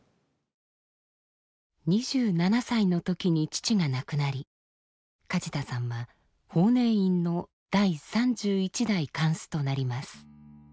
２７歳の時に父が亡くなり梶田さんは法然院の第３１代貫主となります。